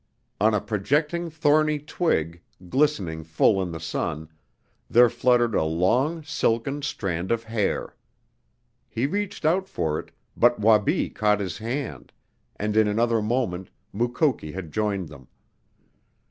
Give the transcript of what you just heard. On a projecting thorny twig, glistening full in the sun, there fluttered a long, silken strand of hair. He reached out for it, but Wabi caught his hand, and in another moment Mukoki had joined them.